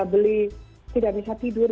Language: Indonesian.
beli tidak bisa tidur